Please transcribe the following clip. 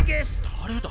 だれだ？